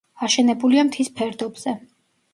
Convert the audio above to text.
აშენებულია მთის ფერდობზე.